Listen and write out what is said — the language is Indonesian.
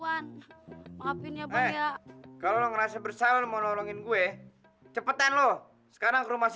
wan maafin ya banyak kalau ngerasa bersalah mau nolongin gue cepetan lo sekarang rumah